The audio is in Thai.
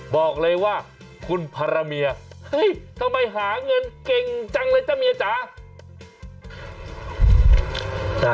บอกเลยว่าคุณภรรเมียเฮ้ยทำไมหาเงินเก่งจังเลยจ้ะเมียจ๋า